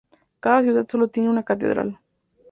Cada ciudad solo tiene una catedral.